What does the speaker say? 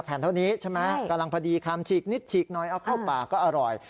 แผ่นเท่านี้ใช่ไหมกำลังพอดีคำฉีกนิดฉีกหน่อยเอาเข้าปากก็อร่อย